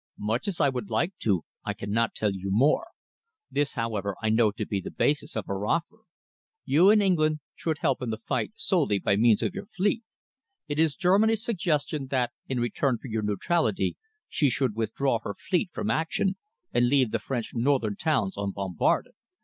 Much as I would like to, I cannot tell you more. This, however, I know to be the basis of her offer. You in England could help in the fight solely by means of your fleet. It is Germany's suggestion that, in return for your neutrality, she should withdraw her fleet from action and leave the French northern towns unbombarded.